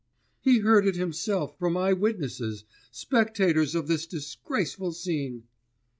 He heard it himself from eyewitnesses, spectators of this disgraceful scene.